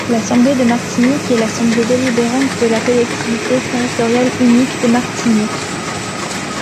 L’assemblée de Martinique est l'assemblée délibérante de la collectivité territoriale unique de Martinique.